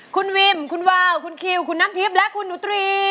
คุณวิมคุณวาวคุณคิวคุณน้ำทิพย์และคุณหนูตรี